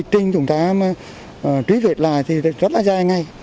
trình chúng ta truy vết lại thì rất là dài ngay